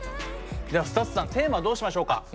ではＳＴＵＴＳさんテーマはどうしましょうか？